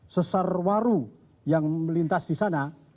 sesar warung yang melintas di sana